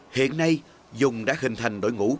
hiện nay dùng đã hình thành đội ngũ công nhân